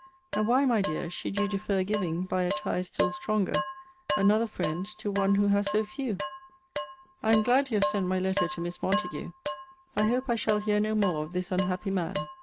And why, my dear, should you defer giving (by a tie still stronger) another friend to one who has so few? I am glad you have sent my letter to Miss Montague. I hope I shall hear no more of this unhappy man.